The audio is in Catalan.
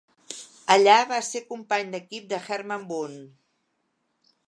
Allà va ser company d'equip de Herman Boone.